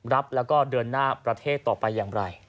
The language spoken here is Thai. รับแล้วก็เดินหน้าประเทศต่อไปอย่างไร